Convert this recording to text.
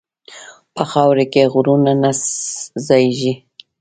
په خاورو کې غرور نه ځایېږي.